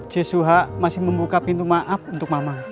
cek suha masih membuka pintu maaf untuk mamang